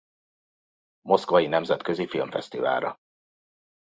Moszkvai Nemzetközi Filmfesztiválra.